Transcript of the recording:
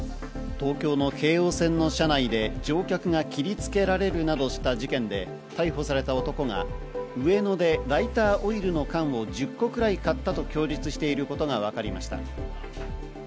東京の京王線の車内で乗客が切りつけられるなどした事件で、逮捕された男は上野でライターオイルの缶を１０個くらい買ったと供述していることがわかりました。